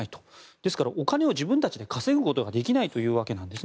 ですから、お金を自分たちで稼ぐことができないんです。